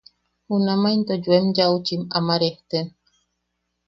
Junamaʼa into yoem yaaʼuchim ama rejten.